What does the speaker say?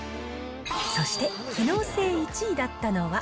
そして、機能性１位だったのは。